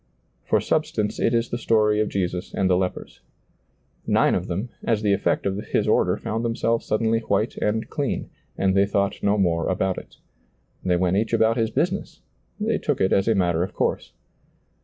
For substance it is the story of Jesus and the lepers. Nine of them, as the effect of bis order, found themselves suddenly white and clean, and they thought no more about it. They went each about his business ; they took it as a matter of course.